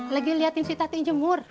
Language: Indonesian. lagi liatin si tati jemur